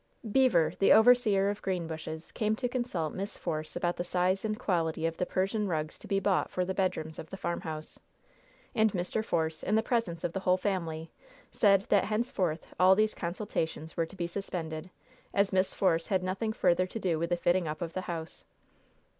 Beever, the overseer of Greenbushes, came to consult Miss Force about the size and quality of the Persian rugs to be bought for the bedrooms of the farmhouse. And Mr. Force, in the presence of the whole family, said that henceforth all these consultations were to be suspended, as Miss Force had nothing further to do with the fitting up of the house.